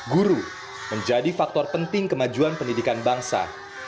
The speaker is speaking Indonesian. guru menjadi faktor penting kemajuan pendidikan bangsa